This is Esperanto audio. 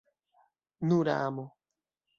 Nura amo!